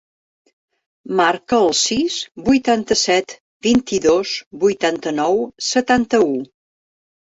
Marca el sis, vuitanta-set, vint-i-dos, vuitanta-nou, setanta-u.